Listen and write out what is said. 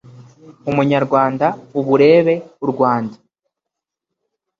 Umunyarwanda uburebe u Rwanda